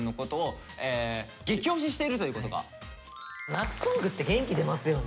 夏ソングって元気出ますよね。